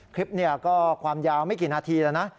คลิปนี้ก็ความยาวไม่กี่นาทีแล้วนะ